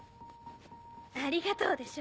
「ありがとう」でしょ？